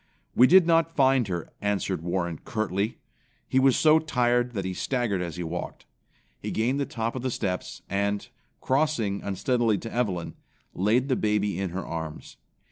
"We did not find her," answered Warren curtly. He was so tired that he staggered as he walked. He gained the top of the steps and, crossing unsteadily to Evelyn, laid the baby in her arms.